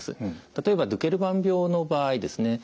例えばドケルバン病の場合ですね